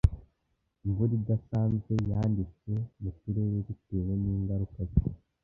Imvura idasanzwe yanditswe mu turere bitewe ningaruka ki